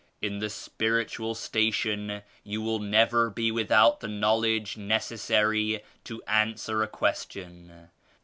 In the Spiritual Station you will never be without the Knowledge necessary to answer a question.